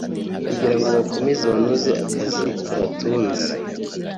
kugirango bakomeze banoze akazi kabatunze